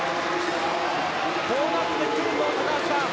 こうなってくると高橋さん